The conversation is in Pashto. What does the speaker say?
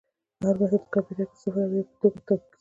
هر متن په کمپیوټر کې د صفر او یو په توګه ثبت کېږي.